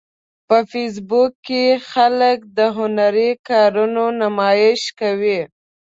په فېسبوک کې خلک د هنري کارونو نمایش کوي